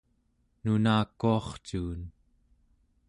nunakuarcuun